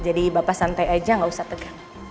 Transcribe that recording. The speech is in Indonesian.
jadi bapak santai aja gak usah tegang